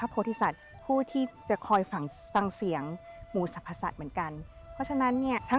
กลุ่นเสียหืนพอศักดิ์